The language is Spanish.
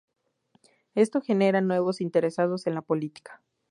Esto genera nuevos interesados en la política.